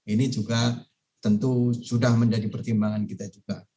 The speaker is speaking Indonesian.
ini juga tentu sudah menjadi pertimbangan kita juga